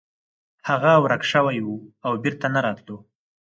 هغه ورک شوی و او بیرته نه راتلو.